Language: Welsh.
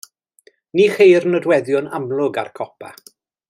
Ni cheir nodweddion amlwg ar y copa.